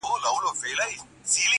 نن د هر گل زړگى په وينو رنـــــگ دى.